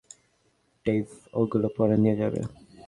Dave ওগুলো পরে নিয়ে যাবে।